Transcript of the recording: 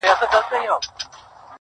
هره مور ده پرهارونه د ناصورو.!